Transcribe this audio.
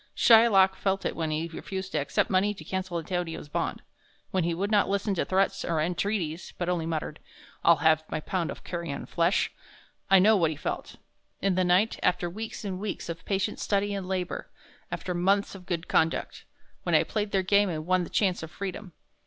Shylock felt it when he refused to accept money to cancel Antonio's bond; when he would not listen to threats or entreaties, but only muttered, 'I'll have my pound of carrion flesh.' I know what he felt. In the night, after weeks and weeks of patient study and labor after months of good conduct, when I played their game and won the chance of freedom.